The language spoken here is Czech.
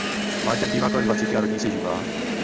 Mláďat bývá kolem dvaceti a rodí se živá.